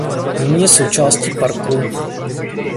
Nyní je součástí parku.